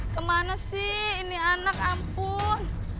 kemana sih ini anak ampun